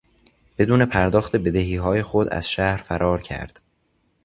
بدون پرداخت بدهیهای خود از شهر فرار کرد.